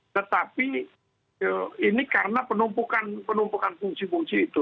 tetapi ini karena penumpukan fungsi fungsi itu